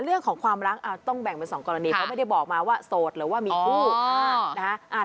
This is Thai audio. เรื่องของความรักต้องแบ่งเป็น๒กรณีเขาไม่ได้บอกมาว่าโสดหรือว่ามีคู่นะฮะ